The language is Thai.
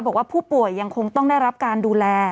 บอกว่าผู้ป่วยยังคงต้องได้รับการดูแล